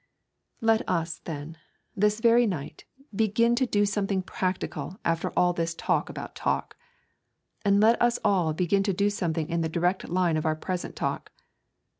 Let us, then, this very night begin to do something practical after all this talk about talk. And let us all begin to do something in the direct line of our present talk.